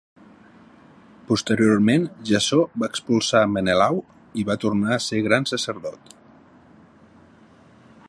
Posteriorment, Jasó va expulsar Menelau i va tornar a ser gran sacerdot.